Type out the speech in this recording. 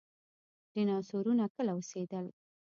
ډیناسورونه کله اوسیدل؟